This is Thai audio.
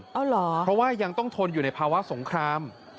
เอาเหรอเพราะว่ายังต้องทนอยู่ในภาวะสงคราม